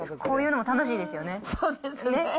こういうのも楽しいですよね